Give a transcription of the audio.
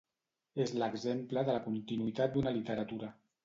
És l'exemple de la continuïtat d'una literatura.